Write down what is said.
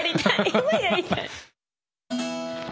今やりたい。